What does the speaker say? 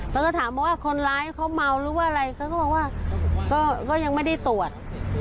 เขาก็ถามว่าคนร้ายเขาเมาหรือว่าอะไรเขาก็บอกว่าก็ยังไม่ได้ตรวจ